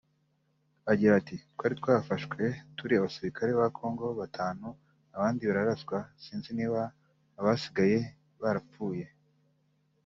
Agira ati “Twari twafashwe turi abasirikare ba Kongo batanu abandi bararaswa sinzi niba abasigaye barapfuye